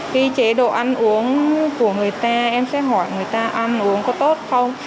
cái chế độ ăn uống của người ta em sẽ hỏi người ta ăn uống có tốt không